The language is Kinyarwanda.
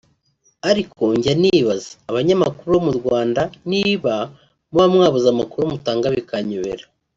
ariko njya nibaza abanyamakuru bomurwanda niba muba mwabuze amakuru mutanga bikanyobera